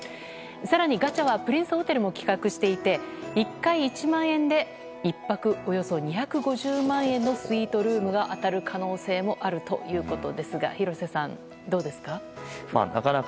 更に、ガチャはプリンスホテルも企画していて１回１万円で１泊およそ２５０万円のスイートルームが当たる可能性もあるということですが廣瀬さん、どうですか？